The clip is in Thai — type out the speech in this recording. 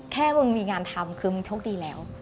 แค่มึงมีงานทำคือมึงโชคดีแล้ว